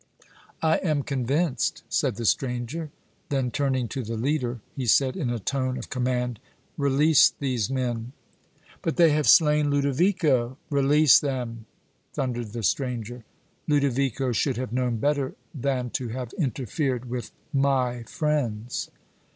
"I am convinced," said the stranger. Then, turning to the leader, he said, in a tone of command: "Release these men!" "But they have slain Ludovico!" "Release them!" thundered the stranger. "Ludovico should have known better then to have interfered with my friends!"